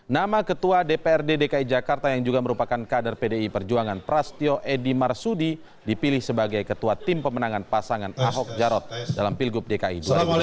nama ketua dprd dki jakarta yang juga merupakan kader pdi perjuangan prasetyo edy marsudi dipilih sebagai ketua tim pemenangan pasangan ahok jarot dalam pilgub dki dua ribu delapan belas